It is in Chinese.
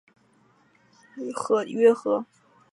具体定义要视乎场合而定。